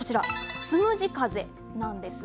つむじ風なんです。